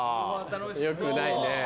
よくないね。